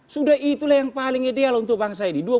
sudah itulah yang paling ideal untuk bangsa ini